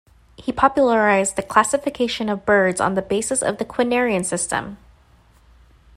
He popularized the classification of birds on the basis of the quinarian system.